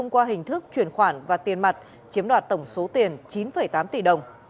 chi thức chuyển khoản và tiền mặt chiếm đoạt tổng số tiền chín tám tỷ đồng